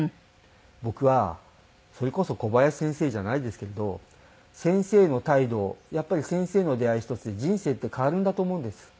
僕はそれこそ小林先生じゃないですけれど先生の態度やっぱり先生の出会い一つで人生って変わるんだと思うんです。